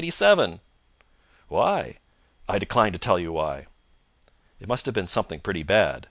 "Why?" "I decline to tell you why." It must have been something pretty bad.